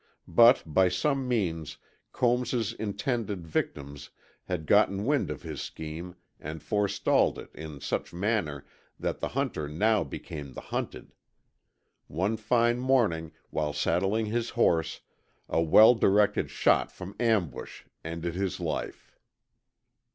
But by some means Combs' intended victims had gotten wind of his scheme and forestalled it in such manner that the hunter now became the hunted. One fine morning, while saddling his horse, a well directed shot from ambush ended his life.